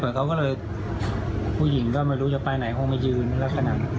เปิดเขาก็เลยผู้หญิงก็ไม่รู้จะไปไหนคงไม่ยืนแล้วก็นั่ง